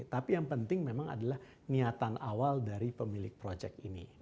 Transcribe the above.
tapi yang penting memang adalah niatan awal dari pemilik proyek ini